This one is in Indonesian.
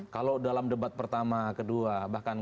kalau dalam debat pertama kedua bahkan